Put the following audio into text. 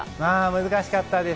難しかったです。